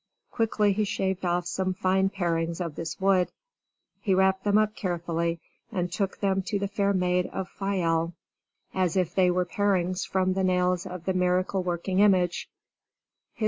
Quickly he shaved off some fine parings of this wood. He wrapped them up carefully and took them to the fair maid of Fayal as if they were parings from the nails of the miracle working image.